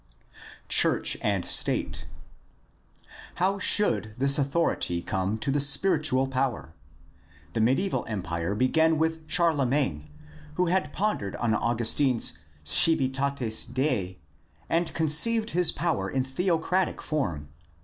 Church and state. — How should this authority come to the spiritual power? The mediaeval empire began with Charlemagne, who had pondered on Augustine's Civitatis Dei and conceived his power in theocratic form.